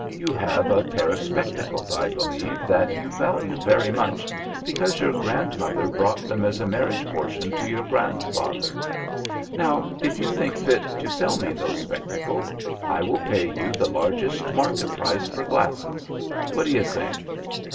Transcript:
You have a pair of spectacles, I believe, that you value very much, because your grandmother brought them as a marriage portion to your grandfather. Now, if you think fit to sell me those spectacles, I will pay you the largest market price for glasses. What do you say?